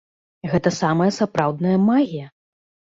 Гэта самая сапраўдная магія!